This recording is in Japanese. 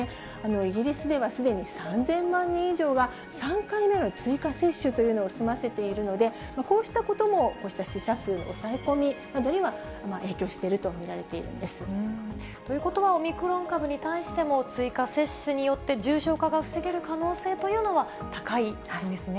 イギリスではすでに３０００万人以上が３回目の追加接種というのを済ませているので、こうしたことも、こうした死者数の抑え込みなどには影響していると見られているんです。ということはオミクロン株に対しても追加接種によって重症化が防げる可能性というのは高いんですね。